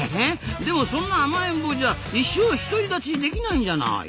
でもそんな甘えん坊じゃ一生独り立ちできないんじゃない？